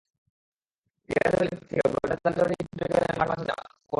Gareth বেলের pass থেকে বলটা জালে জড়াতেই ছুটে গেলেন মাঠের মাঝামাঝি কোনায়।